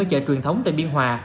ở chợ truyền thống tại biên hòa